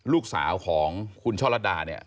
ลูกสาวของคุณช่อล็อตรรา